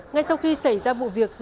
ngay sau khi xảy ra vụ việc